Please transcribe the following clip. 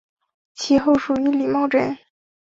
其后属于李茂贞。